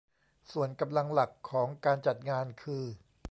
ส่วนกำลังหลักของการจัดงานคือ